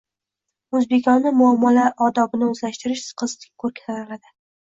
O‘zbekona muomala odobini o‘zlashtirish qizning ko‘rki sanaladi.